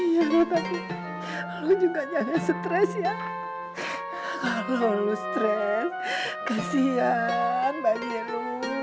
juga jangan stress ya kalau lu stres kesian bagi lu